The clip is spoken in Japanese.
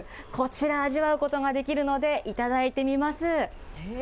こちら、味わうことができるので、頂いてみます。